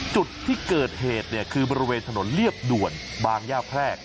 จุดที่เกิดเหตุคือบริเวณถนนเรียบด่วนบางย่าแพรก